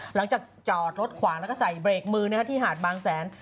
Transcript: จอดรถขวางแล้วก็ใส่เบรกมือที่หาดบางแสน